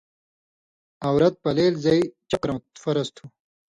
عورت (پلیل زئ) چپ کَرٶں فرض تھُو۔